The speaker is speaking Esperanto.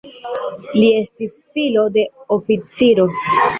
Li estis filo de oficiro.